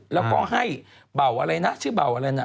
แล้วก็ให้เบาอะไรนะชื่อเบาอะไรนะ